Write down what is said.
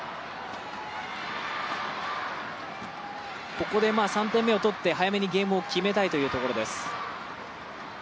ここで、３点目を取って早めにゲームを決めたいというところです。